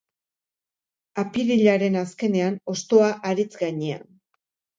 Apirilaren azkenean, hostoa haritz gainean.